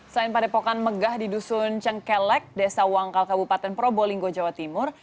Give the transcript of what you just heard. selain padepokan megah di dusun cengkelek desa wangkal kabupaten probolinggo jawa timur